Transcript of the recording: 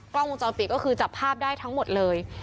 กล้องวงจรปิดก็คือจับภาพได้ทั้งหมดเลย